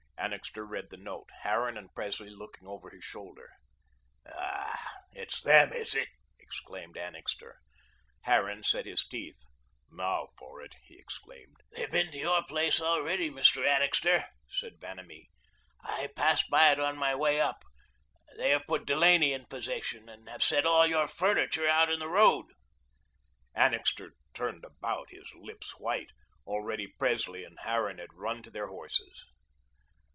Annixter read the note, Harran and Presley looking over his shoulder. "Ah, it's them, is it," exclaimed Annixter. Harran set his teeth. "Now for it," he exclaimed. "They've been to your place already, Mr. Annixter," said Vanamee. "I passed by it on my way up. They have put Delaney in possession, and have set all your furniture out in the road." Annixter turned about, his lips white. Already Presley and Harran had run to their horses.